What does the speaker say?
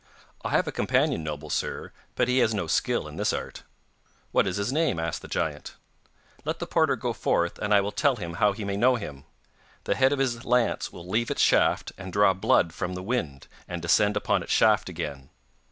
'I have a companion, noble sir, but he has no skill in this art.' 'What is his name?' asked the giant. 'Let the porter go forth, and I will tell him how he may know him. The head of his lance will leave its shaft, and draw blood from the wind, and descend upon its shaft again.